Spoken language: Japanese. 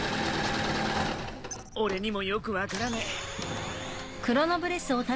俺にもよく分からねえ。